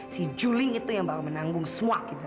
si juli itu yang bakal menanggung semua kita